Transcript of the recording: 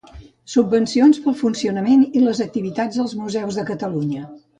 Subvencions per al funcionament i les activitats dels museus de Catalunya.